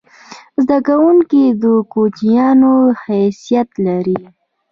زده کوونکی د کوچنیانو حیثیت لري.